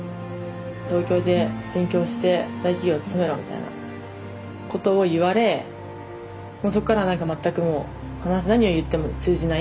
東京で勉強して大企業に勤めろみたいなことを言われもうそっから何か全くもう何を言っても通じない。